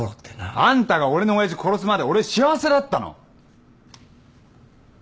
あんたが俺の親父殺すまで俺幸せだったの！